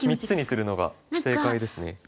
３つにするのが正解ですね。